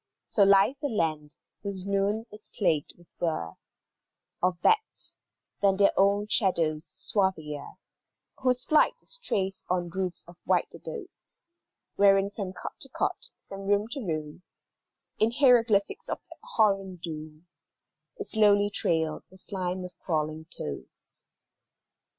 So lies a land whose noon is plagued with whirr Of bats, than their own shadows swarthier, Whose flight is traced on roofs of white abodes, Wherein from court to court, from room to room, In hieroglyphics of abhorrent doom, Is slowly trailed the slime of crawling toads.